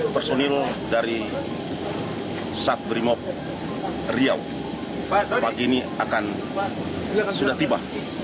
satu ratus satu personel dari sat brimop riau pagi ini akan sudah tiba